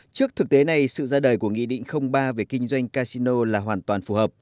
trước thực tế này sự ra đời của nghị định ba về kinh doanh casino là hoàn toàn phù hợp